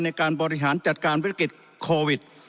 ในการบริหารจัดการวิกฤตโควิด